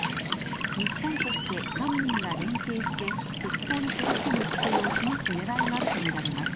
日本として官民が連携して復興に取り組む姿勢を示すねらいがあると見られます。